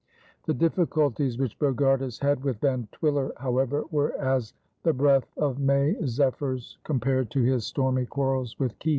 The difficulties which Bogardus had with Van Twiller, however, were as the breath of May zephyrs compared to his stormy quarrels with Kieft.